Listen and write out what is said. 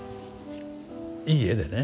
いい絵でね。